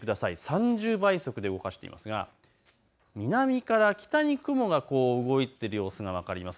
３０倍速で動かしていますが南から北に雲が動いている様子が分かります。